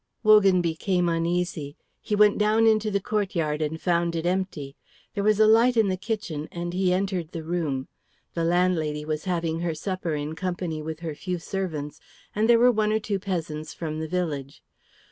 Wogan became uneasy. He went down into the courtyard, and found it empty. There was a light in the kitchen, and he entered the room. The landlady was having her supper in company with her few servants, and there were one or two peasants from the village.